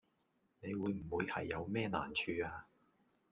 你會唔會係有咩難處呀